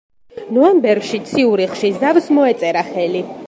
ნოემბერში ციურიხში ზავს მოეწერა ხელი.